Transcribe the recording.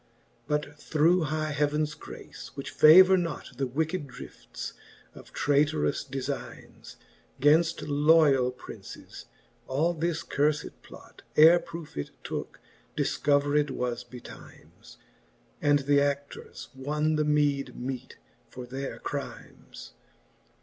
But through high heavens g^ace, which favour not The wicked driftes of trayterous defynes, Gainft loiall Princes, all this curfed plot, Ere proofe it tooke, difcovered was betymes, And th'a6i:ours won the meede meet for their crymes.